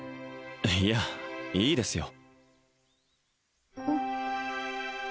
いやいいですよ